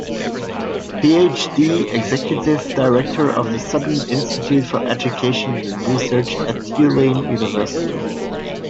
Ph.D., Executive Director of the Southern Institute for Education and Research at Tulane University.